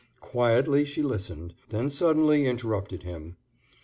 Quietly she listened, then suddenly interrupted him.